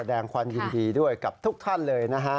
แสดงความยินดีด้วยกับทุกท่านเลยนะฮะ